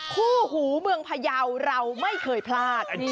คู่หูเมืองพยาวเราไม่เคยพลาด